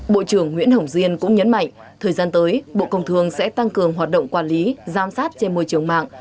bộ trưởng nguyễn hồng diên cũng nhấn mạnh thời gian tới bộ công thương sẽ tăng cường hoạt động quản lý giám sát trên môi trường mạng